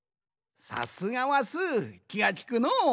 さすがはスーきがきくのう。